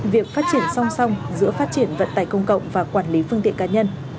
việc phát triển song song giữa phát triển vận tải công cộng và quản lý phương tiện cá nhân